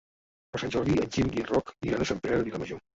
Per Sant Jordi en Gil i en Roc iran a Sant Pere de Vilamajor.